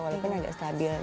walaupun agak stabil